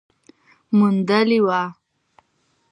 موندلې وه